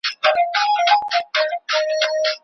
عالم خلک د ناپوهه کسانو په پرتله په ټولنه کي ډېر درناوی لري.